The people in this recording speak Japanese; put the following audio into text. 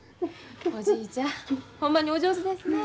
おじいちゃんほんまにお上手ですね。